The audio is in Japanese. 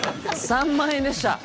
３万円でした。